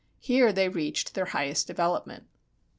Here they reached their highest development.